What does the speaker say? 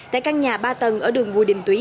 tại căn nhà ba tầng ở đường bùa đình tủy